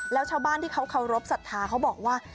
แล้วชาวบ้านที่เขาเคารพสัทธาเขาบอกว่า